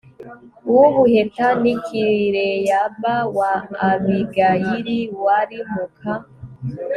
uw ubuheta ni kileyaba wa abigayili wari muka